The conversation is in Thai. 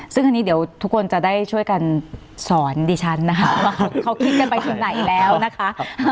ซึ่งอันนี้เดี๋ยวทุกคนจะได้ช่วยกันสอนดิฉันนะคะว่าเขาคิดกันไปถึงไหนแล้วนะคะ